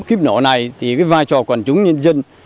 kiếp nổ này thì vai trò quản chúng nhân dân